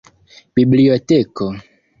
biblioteko